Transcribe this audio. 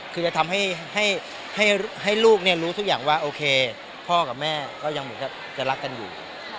คือจะทำให้ลูกรู้ทุกอย่างว่าโอเคพ่อกับแม่ก็ยังเหมือนกับจะรักกันอยู่